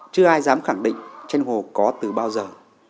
chưa ai dám khẳng định tranh đồng hồ có từ bao giờ